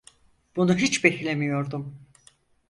Bunu hiç beklemiyordum.